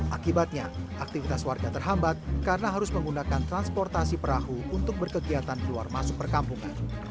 akibatnya aktivitas warga terhambat karena harus menggunakan transportasi perahu untuk berkegiatan keluar masuk perkampungan